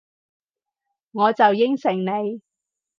我就應承你